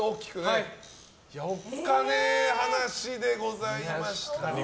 おっカネ話でございました。